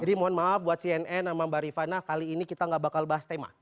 jadi mohon maaf buat cnn sama mbak rifana kali ini kita gak bakal bahas tema